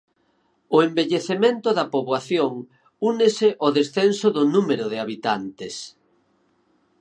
O envellecemento da poboación únese ao descenso do número de habitantes.